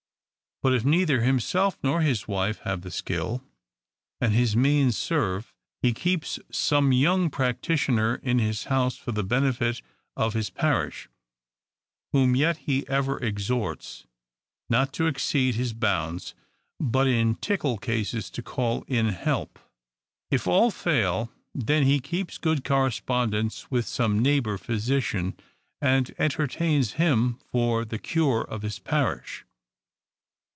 But if neither himself nor his wife have the skill, and his means serve, he keeps some young practitioner in his house for the benefit of his parish ; whom yet he ever exhorts not to exceed his bounds, but in tickle cases to call in help. If all fail, then he keeps good correspondence with some neighbor physician, and entertains him for the cure of his parish.